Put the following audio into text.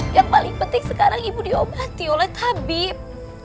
yang paling penting sekarang ibu diobati oleh tabib